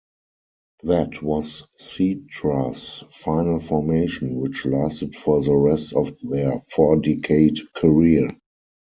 That was Cetra's final formation, which lasted for the rest of their four-decade career.